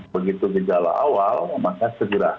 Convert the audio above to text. begitu gejala awal maka segera